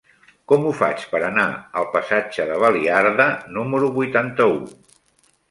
Com ho faig per anar al passatge de Baliarda número vuitanta-u?